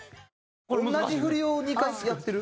同じ振りを２回やってる？